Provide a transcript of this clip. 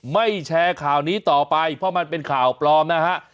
แชร์ข่าวนี้ต่อไปเพราะมันเป็นข่าวปลอมนะฮะ